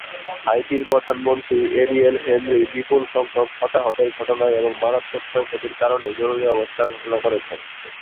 হাইতির প্রধানমন্ত্রী Ariel Henry বিপুল সংখ্যক হতাহতের ঘটনায় এবং মারাত্মক ক্ষয়ক্ষতির কারণে জরুরী অবস্থা ঘোষণা করেছেন।